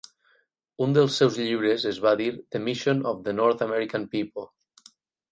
Un dels seus llibres es va dir "The Mission of the North American People".